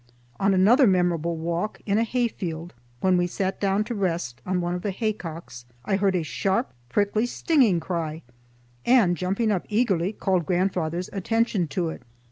On another memorable walk in a hay field, when we sat down to rest on one of the haycocks I heard a sharp, prickly, stinging cry, and, jumping up eagerly, called grandfather's attention to it.